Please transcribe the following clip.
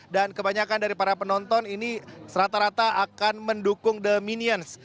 dan kebanyakan dari para penonton ini serata rata akan mendukung the minions